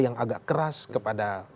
yang agak keras kepada